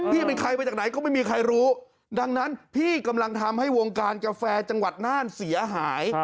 เป็นใครมาจากไหนก็ไม่มีใครรู้ดังนั้นพี่กำลังทำให้วงการกาแฟจังหวัดน่านเสียหาย